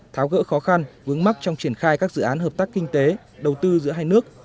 tháo gỡ khó khăn vướng mắt trong triển khai các dự án hợp tác kinh tế đầu tư giữa hai nước